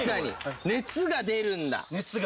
熱が出るんだ！